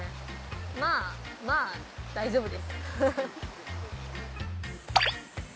まあまあ大丈夫ですフフフ。